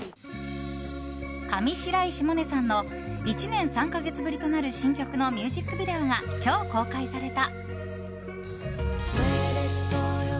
上白石萌音さんの１年３か月ぶりとなる新曲のミュージックビデオが今日公開された。